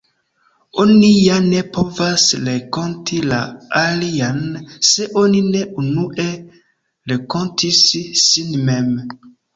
Oni ja ne povas renkonti la alian, se oni ne unue renkontis sin mem.